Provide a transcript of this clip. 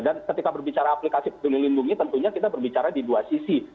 dan ketika berbicara aplikasi peduli lindungi tentunya kita berbicara di dua sisi